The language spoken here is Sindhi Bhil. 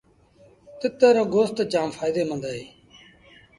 تتر رو گوست جآم ڦآئيدي مند اهي۔